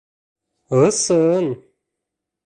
— Ысын!